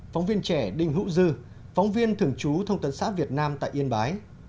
phóng viên trẻ đinh hữu dư phóng viên thường trú thông tấn xã việt nam tại yên bái